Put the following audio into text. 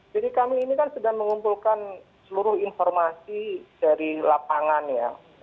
jadi kami ini kan sedang mengumpulkan seluruh informasi dari lapangan ya